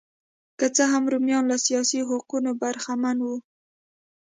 که څه هم رومیان له سیاسي حقونو برخمن وو